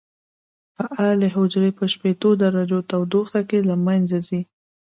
فعالې حجرې په شپېتو درجو تودوخه کې له منځه ځي.